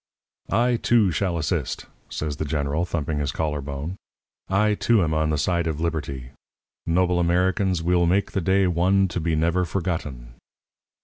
"'I, too, shall assist,' says the General, thumping his collar bone. 'I, too, am on the side of Liberty. Noble Americans, we will make the day one to be never forgotten.'